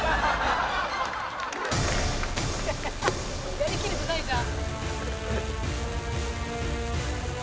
やり切れてないじゃん。